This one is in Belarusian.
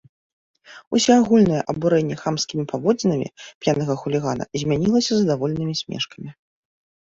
Усеагульнае абурэнне хамскімі паводзінамі п'янага хулігана змянілася задаволенымі смешкамі.